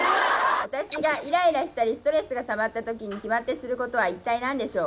私がイライラしたりストレスが溜まった時に決まってすることは一体何でしょう？